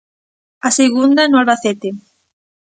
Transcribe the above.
A segunda no Albacete.